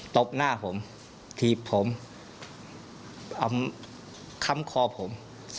ตบหน้าผมถีบผมค้ำคอผม